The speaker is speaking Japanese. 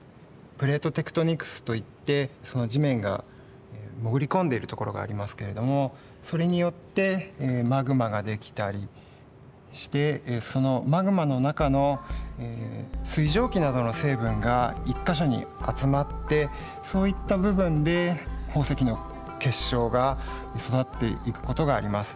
プレートテクトニクスといって地面が潜り込んでいるところがありますけれどもそれによってマグマができたりしてそのマグマの中の水蒸気などの成分が１か所に集まってそういった部分で宝石の結晶が育っていくことがあります。